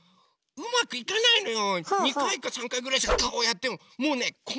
うまくいかないのよ。